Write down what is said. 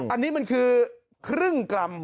อันนี้มันคือครึ่งกรัม